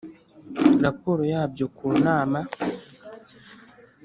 raporo yabyo ku nama